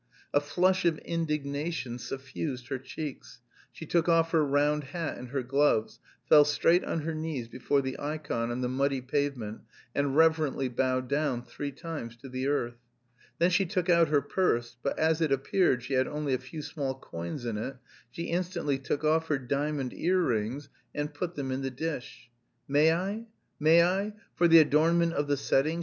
A flush of indignation suffused her cheeks; she took off her round hat and her gloves, fell straight on her knees before the ikon on the muddy pavement, and reverently bowed down three times to the earth. Then she took out her purse, but as it appeared she had only a few small coins in it she instantly took off her diamond ear rings and put them in the dish. "May I? May I? For the adornment of the setting?"